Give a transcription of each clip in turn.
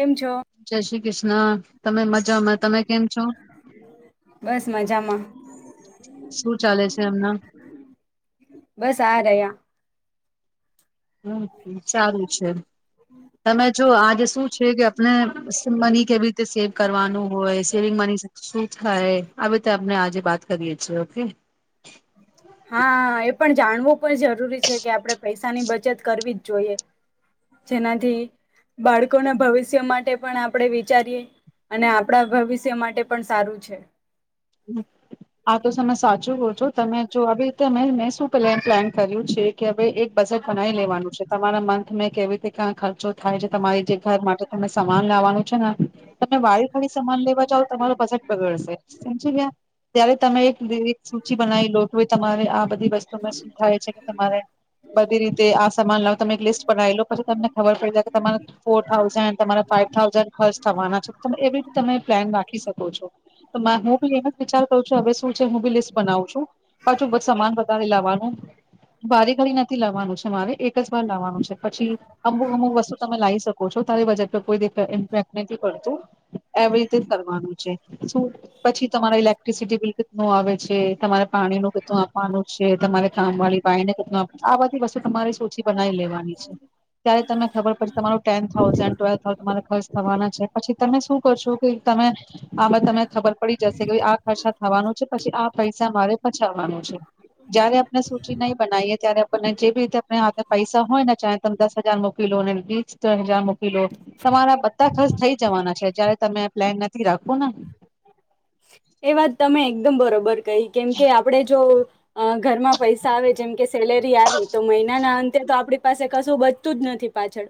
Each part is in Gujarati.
કેમ છો જય શ્રી કૃષ્ણ તમે મજામાં તમે કેમ છો. બસ મજામાં. શું ચાલે છે એમના બસ આ રહ્યા હમ સારું છે તમે જો આજે શું છે કે આપને મની કેવી રીતે સેવ કરવાનું હોય સેવિંગ મની શું થાય હ અમને આજે બાત કરીએે છીએ ઓકે. હા એ પણ જાણવું પણ જરૂરી છે કે આપણે પૈસાની બચત કરવી જ જોઈએ જેનાથી બાળકોના ભવિષ્ય માટે પણ આપણે વિચારીએ અને આપણા ભવિષ્ય માટે પણ સારું છે આ તો તમે સાચું કહ છો તમે જોતે અમે મેં શું પ્લાન કર્યું છે કે હવે એક બજેટ બનાવી લેવાનું છે તમારા મંથ મેં કેવી રીતે ક્યા ખર્ચો થાય છે તમારી જે ઘર માટે તમે સમાન લાવવાનું છે ને તમે વાળ ખડી સમાન લેવા જાવઓ તમારું બજેટ બગડશે સમી ગયા ત્યારે તમે એક દ એક સૂચિ બનાવી લો તો એ તમારે આ બધી વસ્તુમાં શું થાય છે તમારે બધી રીતે આ સમાન લાવ તમે એક લિસ્ટ બનાવી લો પછી તમને ખબર પડી જાય કે તમારે ફોર થાઉઝન્ડ તમારે ફાઈવ થાઉઝન્ડ ખર્ચ થવાના છે તમે એવી રીતે તમે પ્લાન રાખી શકો છો તો હું એનો જ વિચાર કરું છું હવે શું છે હું બી લિસ્ટ બનાવું છું પાછું સમાન વધારે લાવવાનું બારી ઘડી નથી લાવવાનું છે મારે એક જ વાર લાવવાનું છે પછી અમુક અમુક વસ્તુ તમે લાવ શકો છો તારી બજટ પર કોઈ ઇન્ફેક્ટ નથી પડતું એવી રીતે કરવાનું છે શું પછી તમારા ઇક્ટ્રસિટી બિલ કેટું આવે છે તમારે પાણી નું કેધું આપવાનું છે તમા મને કામ વાળી ભાઈને કેટ આપે આ બધી વસ્તુ તમારે સ ઓછી બનાવી લેવાની છે ત્યારે તને ખબર પડ તમારું ટેન થાઉઝન્ડ ટ્વેલ્ થાઉઝન્ડ તમારે ખર્ચ થવાના છે. પછી તમે શું કર છો કે તમે આમાં તમને ખબર પડી જસે કે આ ખર્ચા થવાનું છે પછી આ પૈસા મારે પચાવવાનું છે. જયારે આપને સૂચિ નહી બનાઈયએ ત્યારે આપણને જે બી રીતે આપ હાથે પૈસા હોય ને ચા તમે દસ હજાર મ મોકી લો અને સતર હજાર મૂકી લો તમારા બધા ખર્ચ થઇ જવાના છે જયારે તમે પ્લેન નથી રાખો ને એ વાત તમે એકમ બરોબર કઈ કેમ કે આપણે જો ઘરમાં પૈસા આવે જેમ કે સેલેરી આવી તો મહિનાના અ તો આપણી પાસે કશું બચતું જ નથી. પાછળ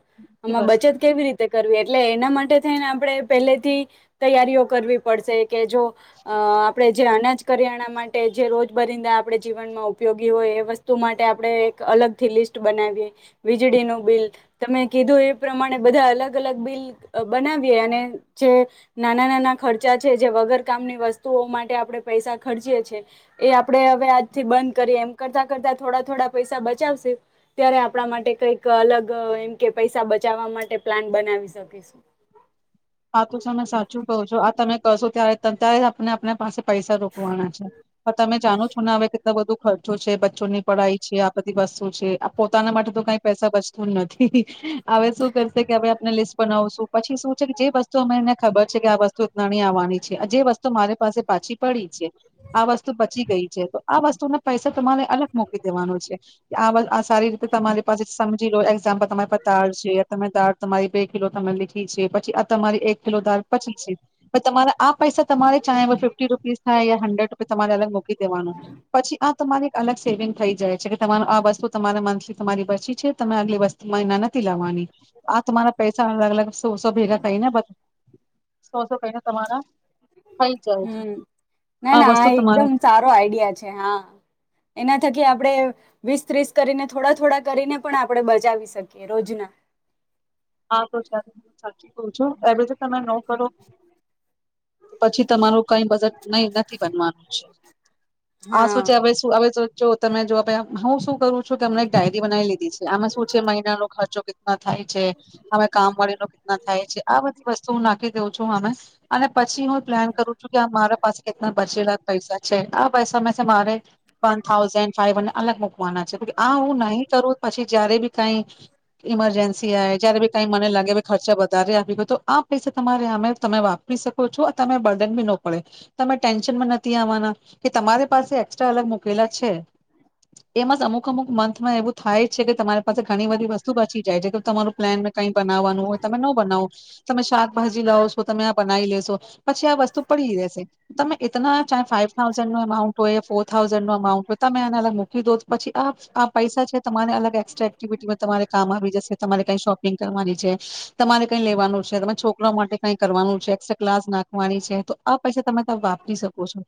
એ આમાં વસ્તુ બચત કેવી રીતે કરવી એટલે એના માટે થઈને આપણે પેલેથી તૈયારીઓ કરવી પડશે. કે જો આપડે જે અનાજ કરિયાણા માટે જે રોજબરિંદા આપણે જીવનમાં ઉપયોગી હોય એ વસ્તુ માટે આપણે એક અલગથી લિસ્ટ બનાવીએ વીજળીનું બિલ તમે કીધું, એ પ્રમાણે બધા અલગ-અલગ બિલ અ બનાવીએ અને જે નાના નાના ખર ચા છે, જે વગર કામની વસ્તુઓ માટે આપડે પૈસા ખર્ચીએે એ આપડે હવે આજથી બંધ કરીએ એમ કરતા કરતા થોડા થોડા પૈસા બચાવશે ત્યારે આપણા માટે કઈક અલગ એમ કે પૈસા બચાવવા માટે પ્લાન બનાવી શકીશું. હા, તો તમે સાચું કહો છો આ તમે કશો ત્યારે તતાએ આપને આપને પાસે પૈસા રોકવાના છે પણ તમે જાણો છો ને હવે બધો ખર્ચો છે બચ્ચો ની પઢાઈ છે, આ બધી વસ્તુ છે આ પોતાના માટે તો કઈ પૈસા બચતું નથી. હવે શું કરશે કે અવે આપને લિસ્ટ બનાવશું પછી શું છે? જે વસ્તુ અમેને ખબર છે કે આ વસ્તુ એતલા નીં આવાની. છે અ જે વસ્તુ મારે પાસે પાછી પડી છે આ વસ્તુ બચી ગઈ છે તો આ વસ્તુને પૈસા તમારે અલગ મોકલી દેવાનો છે, આ આ વ સારી રીતે તમારી પાસે સમજી લો એક્ઝામ્પલ તમારી પાસે દાળ છે, તમે દાળ તમારી બે કિલો તમે લીખી છે પછી આ તમારી એક કિલો દાલ પછી છે. તમારા આ પૈસા તમારે ચાહે ફિફ્ટી રૂપીસ થાય યા હંડ્રેડ રૂપીસ તમારે અલગ મૂકી દેવાનું પછી આ તમારે એક અલગ સેવિંગ થઈ જાય છે, કે તમાર આ વસ્તુ તમારે મંથલી તમારી બચી છે તમે આગલી વસ મયીના નથી લાવવાની આ તમારા પૈસા અલગ અલગ સો સો ભેગા થઈ ને બધ શો શો કઈને તમારા થઈ જાય છે હમ્મ ના આ ના વસ્તુ તમારે એકદમ સારો આઈડિયા છે હા. એના થકી આપણે વીસ-ત્રીસ કરીને થોડા થોડા કરીને, પણ આપણે બચાવી શકીએ રોજના. હા, તો છે સાચી કવુ છું, બીજુ તમે નવું [unintelligible] તો પછી તમારું કઈ બજટ નય નથી બનવાનું છે. આ હા શું છે? હવે શું હવે સ જો તમે જોવા હું શું કરું છું કે મેં એક ડાયરી બનાવી લીધી છે, આમાં શું છે મહિનાનો ખર્ચો કેટલા થાય છે, અવે કામવાળી નો કેટલા થાય છે, આ બધી વસ્તુ હું નાખી દેઉં છું અને અને પછી હું પ્લાન કરું છું કે મારા પાસે કેટલા બચેલા પૈસા છે, આ પૈસા મે સે મારે વન થાઉઝન્ડ ફાવ અલગ મૂક વાના છે કયુંકી આ હું નહી કરું પછી જયારે બી કઈ ઈમરજન્સી આવે તો બી કંઈ મને લાગ મેં ખર્ચા વધ વધારે આપ ગ તો આ પૈસા તમારે આમે તમે વાપરી શકો છો તમે બર્ડન બી ન પડે તમે ટેન્શનમાં નથી આવવાના કે તમારી પાસે એસ્ટ્રા અલગ મૂકેલા છે, એમાં જ અમુક અમુક મંથમાં એવું થાય છે કે તમારી પાસે ઘણી બધી વસ્તુ બચી જાય છે, કે તમારું પ્લેનમાં કઈ બનાવવાનું હોય તમે ન બનાવો તમે શાકભાજી લાવો છો તમે આ બનાવી લેશો પછી આ વસ્તુ પડી રેશે. તમેં એતના ચાહે ફાઈવ થાઉઝન્ડનો એમાઉન્ટ હોય ફોર થાઉઝન્ડનો અમાઉન્ટ હોય તમે આને અલગ મૂકી દો પછી આ આ પૈસા છે, તમારે અલગ એક્સ્ટ્રા એક્ટિવિટીમાં તમારે કામ આવી જશે તમારે કઈ શોપિંગ કરવાની છે તમારે કઈ લેવાનું છે તમે છોકરા માટે કઈ કરવાનું છે, એક્સ્ટ્રા ક્લાસ નાખવાની છે તો આ પૈસા તમે તા વાપરી શકો છો,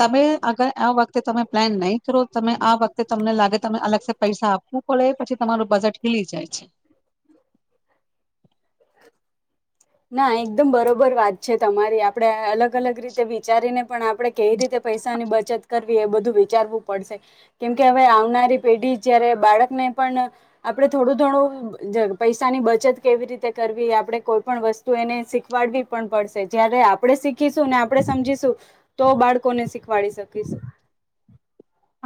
તમે અગર આ વખતે તમે પ્લાન નહીં કરો તમે આ વખતે તમને લાગે ત અલગ પૈસા આપવું પડે પછી તમારું બજેટ ખીલી જાય છે. ના એકદમ બરોબર વાત છે તમારી આપડે અલગ અલગ રીતે વિચારીને પણ આપડે કેવી રીતે પૈસાની બચત કર વી બધું વિચારવું પડશે કેમકે હવે આવનારી પેઢી જયારે બાળકને પણ આપણે થોડું થોડું જ પૈસાની બચત કેવી રીતે કરવી આપણે કોઈ પણ વસ્તુ એને શીખવાડવી પણ પડશે જયારે આપણે શીખીશું ને આપણે સમજીશું તો બાળકોને શીખવાડી શકીશું.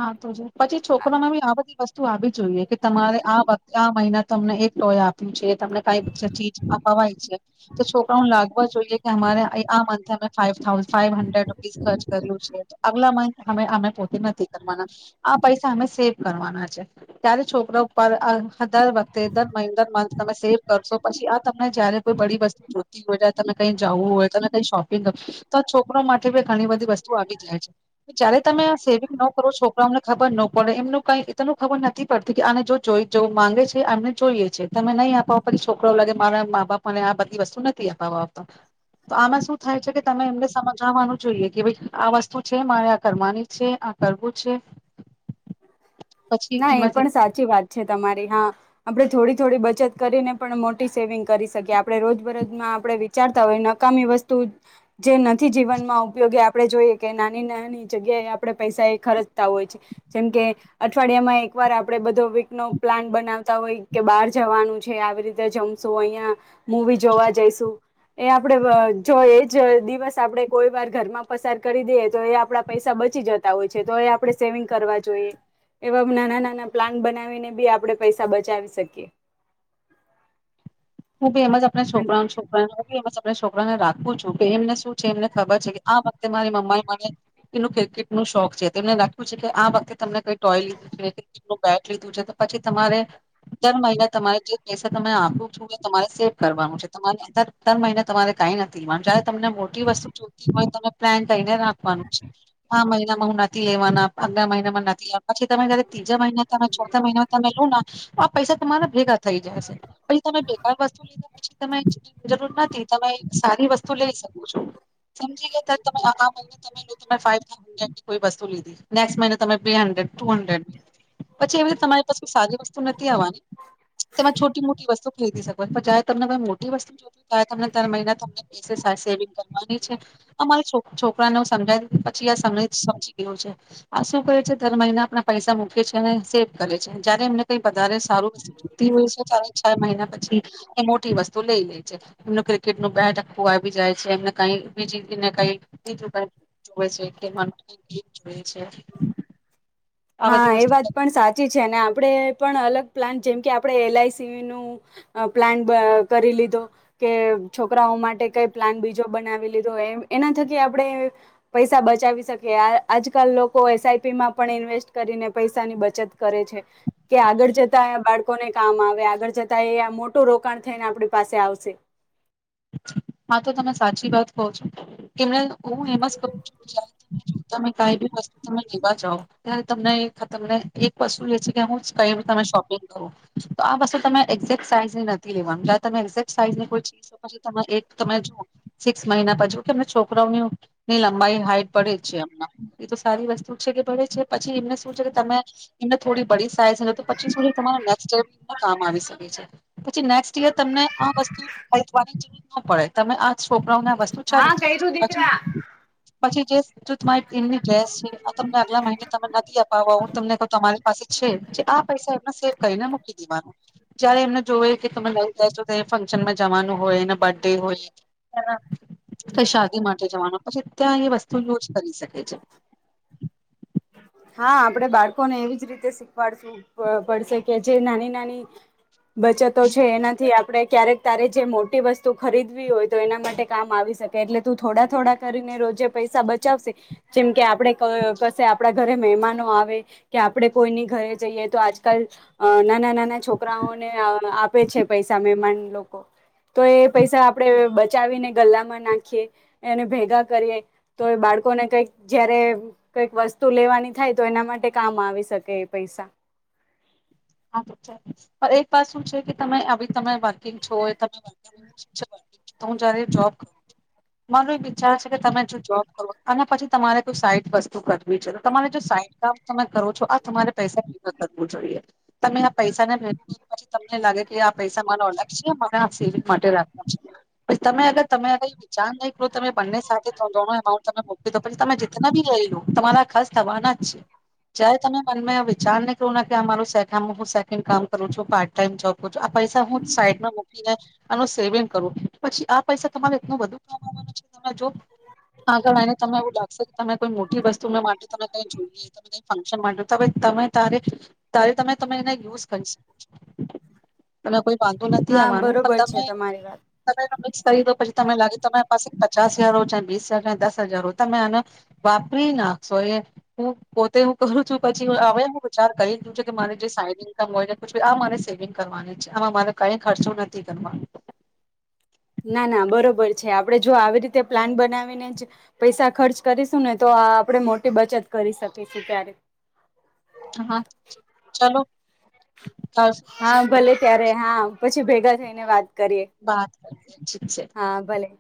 હા, તો જ પછી છોકરામાં બી આધી વસ્ત તું આવી જોઈએ કે તમારે આ વખત આ મહિના તમને એક ટોય આપ્યું છે, તમને કઈ સ ચીજ અપાવામાં આયી છે તો છોકરાઓ ને લાગવા જોઈએ, કે અમારે ઈ આ મંથે અમે ફાવ થાઉ ફાવ હન્ડ્રેડ રૂપીસ ખર્ચ કર્યું છે, તો આગલા મંથ અમે અમે પોતી નથી. કરવા આ પૈસા અમે સેવ કરવાના છે ત્યારે છોકરા ઉપ દર વખતે દર મહિ દર મથ તમે સેવ કરશો પછી આ તમને જયારે કોઈ બડી વસ્તુ જોતી હોય ત તમે કઈ જવું હોય તમે કઈ શોપિંગ હો તો આ છોકરો માટે ઘણી બધી વસ્તુ આવી જાય છે જયારે તમે સે છોકરોમને ખબર ન પડે એમનું કઈનું ખબર નથી પડતી કે આ જો જોઈ જેવું માંગે છે એમને જોઈએ છે તમે નહીં આપો પછી છોકરા લાગે મારા મા બાપ મને આ બધી વસ્તુ નથી આપવા આવતા તો આમાં શું થાય છે કે તમે એમને સમજાવવાનું જોઈએ કે ભાઈ આ વસ્તુ છે મારે આ કરવાની છે કરવું છે પછી ના એ એમાં પણ સાચી વાત છે તમારી હા આપણે થોડી થોડી બચત કરીને પણ મોટી સેવિંગ કરી શકીએ આપણે રોજબરોજમાં આપણે વિચારતા હોય નકામી વસ્તુ જે નથી જીવનમાં ઉપયોગી આપ આપણે જોઈએ કે નાની નાની જગ્યાએ આપણે પૈસા એ ખર્ચતા હોય છે જેમકે અઠવાડિયામાં એક વાર આપડે બધો નો પ્લાન બનાવતા હોય કે બહાર જવાનું છે આવી રીતે જમશું અહિયાં મૂવી જોવા જઈશું એ આપડે જો એ જ દિવસ આપણે કોઈ વાર ઘરમાં પસાર કરી દઈએ તો એ આપણા પૈસા બચી જતા હોય છે તો એ આપણે સેવિંગ કરવા એવા નાના નાના પ્લાન બનાવીને બી આપણે પૈસા બચાવી શકીએ હું બે એમજ આપણા છોકરાઓ છોકરાઓ ને છોકરાને રાખવું છું કે એમને શું છે એમને ખબર છે કે આ વખતે મારી મમ્મા એ મને એનું ક્રિકેટ ન શોખ છે એમને રાખ્યું છે કે આ વખતે તમને કઈ ટોય લીધું છે્રિકેટ નું બેટ લીધું છે તો પછી તમારે દર મહિના તમારે જે પૈસા તમે આપો ું તમારે સેવ કરવાનું છે તમારે દર મહિને તમારે કઈ નથી તમને મોટી વસ્તુ જોતી હોય તમે પ્લાન કરીને રાખવાનું છે આ મહિનામાં હું નથી લેવાના અગ મહિનામાં નથી લેવાના પછી તમે જ મહિના તમે ચોથા મહિના તમે લો ના પૈસા તમારા ભેગા થઈ જાય છે પસા તમે બેકાર વસ્તુ લીધા પછી તમે જરૂર નથી તમે સારી વસ્તુ લઈ શકો છો સમજી ગયા ત તમે આ મહિને તમે તમા ફાઇ કો વસ્તુ લીધી નેક્ મહિમે બ હંડ્રેડ ટુ હંડ્રેડ પછી એવી રીતે તમારી પાસે કોઈ સારી વસ્તુ નથી આવવાની તેમાં છોટી મોટી વસ્તુ ખરીદી શકો ચહે તમને કોઈ મોટી વસ્તુ જો ચ તમને દર મહિના તમ પ સેવિંગ અમારી છ છોકરાને ાય પછી આ સમજી ગયું છે આ શું કહે છે દર મહિના આપણા પૈસા મૂકે છે અને સેવ કરે છે જયારે એમને કઈ વધારે સારું હોય છ મહિના પછી એ મોટી વસ્તુ લઈ લે છે એમનું ક્રિકેટ નું બેઠખું આવી જાય છે એમ કઈ બીજી કઈ બીું જોવે છે કે જો છે આ હા બધી એ વસ્તુ વાત પણ સાચી છે ને આપડે પણ અલગ પ્લાન જેમ કે આપણે એલઆઈસી ન પ્લાન કરી લીધો કે છોકરાઓ માટે કંઈ પ્લાન બીજો બનાવી લીધો એમ એના થકી આપણે પૈસા બચાવી શકીએ આજકાલ લોકો એસઆઈપીમાં પણ ઇન્વેસ્ટ કરીને પૈસા ની બચત કરે છે કે આગળ જતા બાળકોને કામ આવે આગળ જતા એ મોટું રોકાણ થઈને આપણી પાસે આવશે હા તો તમે સાચી વાત કો છો કેમ હું એમ કું છું જ તમે કી વસ્તુ ત લેવા જાવ ત્યારે તમને તમને એક વસ્તુ છે કે હું ક તમે શોપિંગ કરું તો વસ્તુ તમે એક્ઝેક્ટ સાઈઝ નથી લેવાનું તમેેક સાઈઝની કો ચી પછી ત એક તમે જોુઓ સિક્સ મહિના બાછુ કે એમ છોકરાઓની ની લંબાઈ હાઈટ પડે જ છે એમ એ તો સારી વસ્તુ છે કે પડે છે પછી એમને શું છે કે તમે એમને થોડી બડી સાઇઝ તો પછી તમાને કામ આવી શકે છે પછી નેક્સ્ટ ઇયર તને આ વસ્તુ ન પડે તમે આજ છોપરાઓને વસ્તુ છાર હા છે કર્યું પછી દીકરા પછી જે તમારી એમની ડ્રેસ છે, આ તમને આગલા મહિને તમે નથી અપાવવા હું તમને કહ તમારી પાસે છે જે આ પૈસા એમને સેવ કરીને મૂકી દેવાનું જયારે એમને જો કે તમે નઈ જાય તો ફંક્શનમાં જવાનું હોય એ બર્થ ડે હોય એ ક શાદી માટે જવાનું પછી, ત્યાં એ વસ્તુ યુજ કરી શકે. એ છે. હા આપડે બાળકોને એવી જ રીતે શીખવાડશું પડશે કે જે નાની નાની બચતો છે એનાથી આપ આપણે ક્યારેક તારે જે મોટી વસ્તુ ખરીદવી હોય તો એના માટે કામ આવી શકે એટલે તું થોડા થોડા કરીને રોજ જે પૈસા બચાવશે જેમ કે આપ આપ કસે આપણા ઘરે મહેમાનો આવે કે આપડે કોઈની ઘરે જઈએ, તો આજકાલ નાના નાના છોકરાઓને આપે છે પૈસા મહેમાન તો એ પૈસા આપણેે બચાવીને ગલામાં નાખીએ એને ભેગા કરીએ તો બાળકોને કઈક જયારે કઈક વસ તુ લેવાની થાય તો એના માટે કામ આવી શકે એ પૈસા હા પણ એક વાત શું છે કે તમે આવી તમે વર્કિંગ છો હોય તમે હું જયારે જોબ કરું છ મારો એક વિચાર છે કે તમે જો જોબ કરો અને પછી તમારે કોઈ સાઈ વસ્તુ કરવી છે. તમારે જો સાઈ કામ તમે કરો છો આ તમારે પૈસા કરવું જોઈએ. તમે આ પૈસાને ભેગા પછી તમને લાગે કે આ પૈસા મારો અલગ છે માને આ સેવિંગ માટે રાખવા છે પછી તમે અગર તમે વિચાર નહીં કરો તમે બંને સાથેણો એમાઉન્ટ તમે મકલી દો પછી તમે જીતના બી રઈ લો તમારા ખર્ચ થવાના જ છે જયારે તમે મનમાં વિચાર નહી કરો ના કે સે આ હું સેકન્ડ કામ કરું છું પાર્ટ ટાઈમ જોબ કરું છું આ પૈસા હું સાઈડમાં મૂકીને આનો સેવિંગ કરું પછી આ પૈસા તમારે એટલ બધું કામવાનું છે. તમે જો આગળને તમે એવું લખ તમે કોઈ મોટી વસ્તુ માટે તમે કઈ જોઈએ તમે કઈ ફંક્શન માટે તો હ તમે ત તારે તમે તમે એને યુઝ કરી શકો છો. તમે કોઈ વાંધો નથી હા આવાનું બરોબર પણ છે તમારી વાત તમે મિક ખરી પછી તને લાગે તમે પાસે પચાસ હજાર ચ બીસ હજાર દસ હજાર હો તમે આને વાપરી નાખશો એ હું. તે હું કું છું પછી હ હું વિચાર કરી દં છું કે મારે સા ઇન્ હોય ને આ મારે સેવિંગ કરવાની છે આમાં મારે કઈ ખર્ચો નથી કરવાનો. ના ના બરોબર છે આપણે જો આવી રીતે પ્લાન બનાવીને જ પૈસા ખર્ચ કરીશું ને તો આપણે મોટી બચત કરી શકીશું ત્યારે હા ચલો કરશું પછી હા ભલે ત્યારે હા પછી ભેગા થઈ ને વાત કરીએ. [unintelligible] હા.. ભલે.